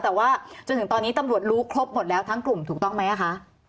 แต่ว่าจนถึงตอนนี้ตำรวจรู้ครบหมดแล้วทั้งกลุ่มถูกต้องไหมคะ